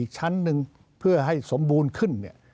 ชั้นหนึ่งเพื่อให้สมบูรณ์ขึ้น